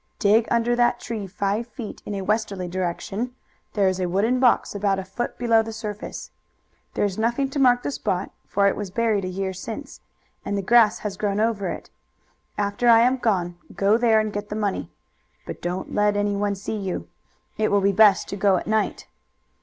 "Dig under that tree five feet in a westerly direction. There is a wooden box about a foot below the surface. There's nothing to mark the spot, for it was buried a year since, and the grass has grown over it. After I am gone go there and get the money, but don't let anyone see you. It will be best to go at night.